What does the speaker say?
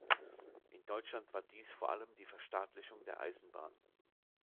In Deutschland war dies vor allem die Verstaatlichung der Eisenbahn.